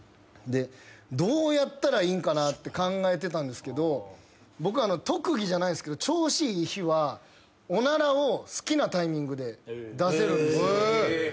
でどうやったらいいんかなって考えてたんですけど僕特技じゃないですけど調子いい日はおならを好きなタイミングで出せるんですよ。